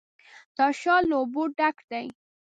دا ښار له اوبو ډک دی.